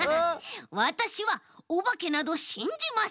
わたしはおばけなどしんじません。